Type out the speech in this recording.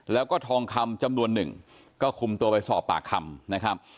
แล้วก็ทองคำจำนวนหนึ่งก็คุมตัวไปสอบปากคำนะครับ